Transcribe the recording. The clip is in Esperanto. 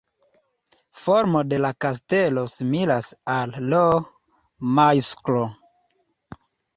Formo de la kastelo similas al L-majusklo.